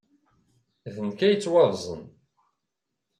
D nekk ay yettwabẓen.